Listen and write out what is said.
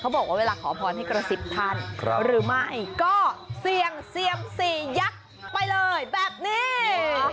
บอกว่าเวลาขอพรให้กระซิบท่านหรือไม่ก็เสี่ยงเซียมสี่ยักษ์ไปเลยแบบนี้